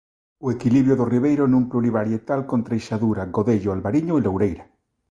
O equilibrio do Ribeiro nun plurivarietal con treixadura, godello, albariño e loureira.